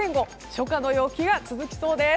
初夏の陽気が続きそうです。